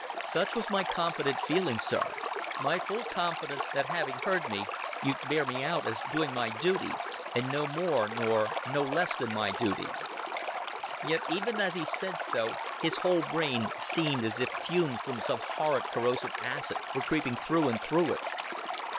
"Such was my confident feeling, sir my full confidence that, having heard me, you'd bear me out as doing my duty, and no more nor no less than my duty." Yet, even as he said so, his whole brain seemed as if fumes from some horrid corrosive acid were creeping through and through it.